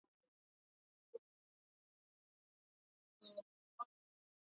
Mualushayi ameongeza kuwa, wanajeshi wawili waliuawa wakati wa mapigano hayo.